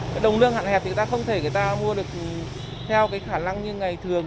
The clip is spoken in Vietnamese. cái đồng lương hạn hẹp thì người ta không thể người ta mua được theo cái khả năng như ngày thường